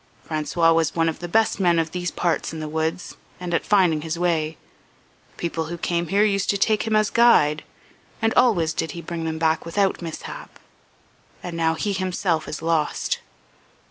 François was one of the best men of these parts in the woods, and at finding his way; people who came here used to take him as guide, and always did he bring them back without mishap. And now he himself is lost.